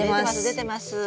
出てます。